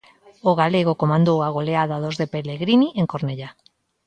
O galego comandou a goleada dos de Pelegrini en Cornellá.